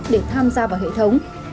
để tham gia vào hệ thống